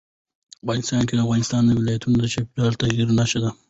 افغانستان کې د افغانستان ولايتونه د چاپېریال د تغیر نښه ده.